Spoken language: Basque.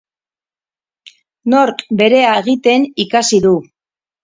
Nork berea egiten ikasi du.